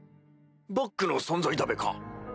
バックの存在だべか？